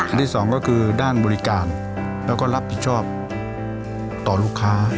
ที่สองก็คือด้านบริการแล้วก็รับผิดชอบต่อลูกค้า